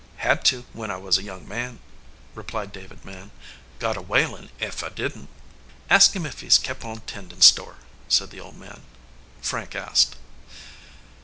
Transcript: "Hed to when I was a young man," replied David Mann. "Got a whalin ef I didn t." "Ask him ef he s kep on tendin store," said the old man. Frank asked.